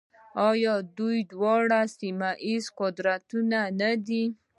آیا دوی دواړه سیمه ییز قدرتونه نه دي؟